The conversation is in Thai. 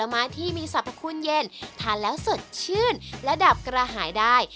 ม้าที่มีสรรพคุณเย็นทานแล้วสดชื่นและดับกระหายได้